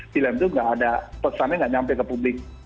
promo itu nggak ada pesannya nggak sampai ke publik